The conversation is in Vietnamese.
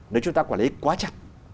nếu chúng ta quản lý quá chặt